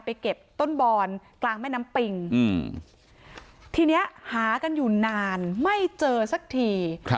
เก็บต้นบอนกลางแม่น้ำปิงทีนี้หากันอยู่นานไม่เจอสักที